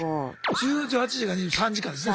１８時から３時間ですね